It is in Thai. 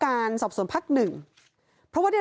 การสอบสวนพักหนึ่งเพราะว่าได้